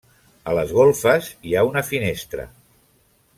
A les golfes hi ha una finestra.